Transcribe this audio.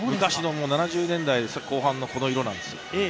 昔の７０年代後半のこの色なんです。